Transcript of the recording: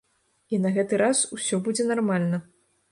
І на гэты раз усё будзе нармальна.